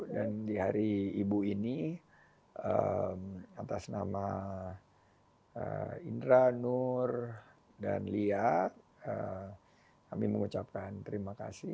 dan di hari ibu ini atas nama indra nur dan lia kami mengucapkan terima kasih ibu